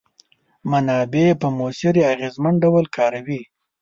منابع په موثر یا اغیزمن ډول کاروي.